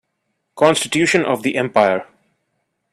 Constitution of the empire.